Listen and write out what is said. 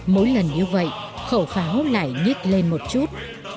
mỗi lần như vậy khẩu pháo lại nhích lên một chút